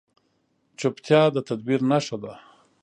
چپتیا، د تدبیر نښه ده.